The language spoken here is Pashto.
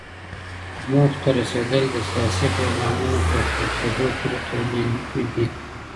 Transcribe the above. موخو ته رسېدل د سياسي پروګرامونو پر پلي کېدو پوري تړلي دي.